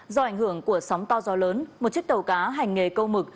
do ảnh hưởng của sóng to gió lớn một chiếc tàu cá hành nghề câu mực